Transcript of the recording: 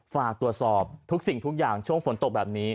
ฝากตรวจสอบทุกสิ่งทุกอย่างช่วงฝนตกแบบนี้